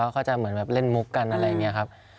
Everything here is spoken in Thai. เขาจะเหมือนแบบเล่นมุกกันอะไรอย่างนี้ครับ